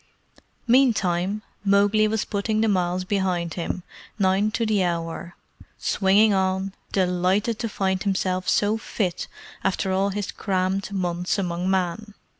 Meantime, Mowgli was putting the miles behind him, nine to the hour, swinging on, delighted to find himself so fit after all his cramped months among men.